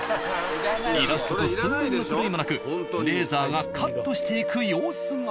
イラストと寸分の狂いもなくレーザーがカットしていく様子が。